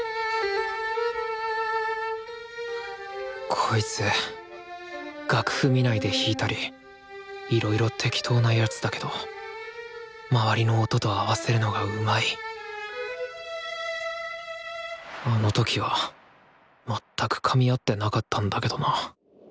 こいつ楽譜見ないで弾いたりいろいろテキトーな奴だけど周りの音と合わせるのがうまいあの時は全くかみ合ってなかったんだけどな。